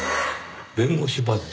弁護士バッジ。